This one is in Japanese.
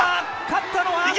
勝ったのは。